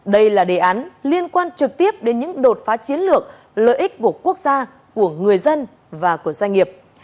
đây là đề án liên quan trực tiếp đến những đột phá chiến lược lợi ích của quốc gia của người dân và của doanh nghiệp